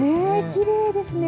きれいですね。